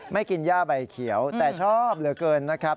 ไม่กินย่าใบเขียวแต่ชอบเหลือเกินนะครับ